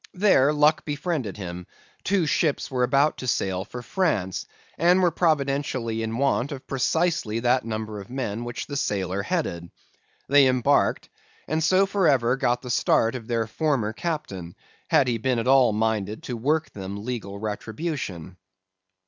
There, luck befriended him; two ships were about to sail for France, and were providentially in want of precisely that number of men which the sailor headed. They embarked; and so for ever got the start of their former captain, had he been at all minded to work them legal retribution.